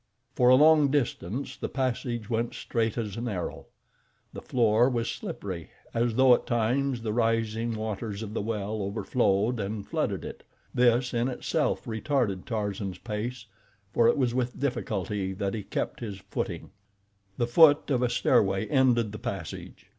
For a long distance the passage went straight as an arrow. The floor was slippery, as though at times the rising waters of the well overflowed and flooded it. This, in itself, retarded Tarzan's pace, for it was with difficulty that he kept his footing. The foot of a stairway ended the passage.